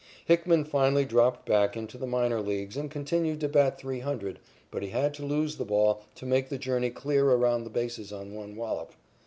Hickman finally dropped back into the minor leagues and continued to bat three hundred, but he had to lose the ball to make the journey clear around the bases on one wallop.